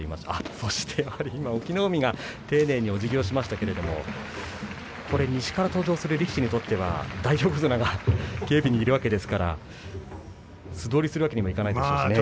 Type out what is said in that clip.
そして今、隠岐の海が丁寧におじぎをしましたけれども西から登場する力士にとっては大横綱が警備にいるわけですから素通りするわけにはいかないでしょうね。